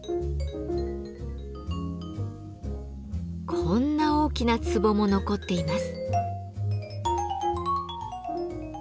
こんな大きな壺も残っています。